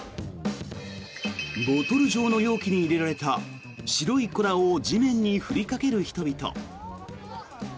ボトル状の容器に入れられた白い粉を地面に振りかける人々。